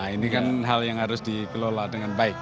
ini kan hal yang harus dikelola dengan baik